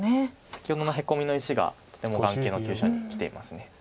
先ほどのヘコミの石がとても眼形の急所にきています。